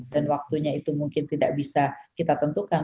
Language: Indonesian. dan waktunya itu mungkin tidak bisa kita tentukan